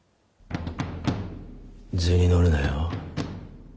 図に乗るなよ。